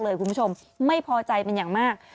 คุณผู้ชมไม่พอใจเป็นอย่างมาก